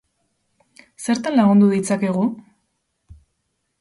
Zertan lagundu ditzakegu?